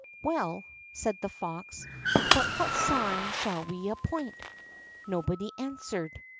"Well," said the fox, "but what sign shall we appoint?" Nobody answered.